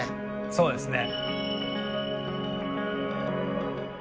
そうですね。